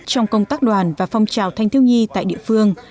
trong công tác đoàn và phong trào thanh thiêu nhi tại địa phương